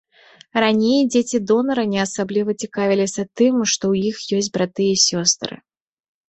Раней дзеці донара не асабліва цікавіліся тым, што ў іх ёсць браты і сёстры.